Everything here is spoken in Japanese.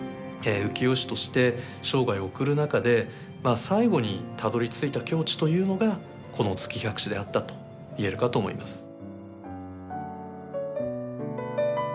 浮世絵師として生涯を送る中でまあ最後にたどりついた境地というのがこの「月百姿」であったと言えるかと思います。